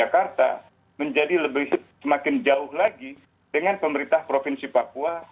dan pemerintah pusat di jakarta menjadi lebih semakin jauh lagi dengan pemerintah provinsi papua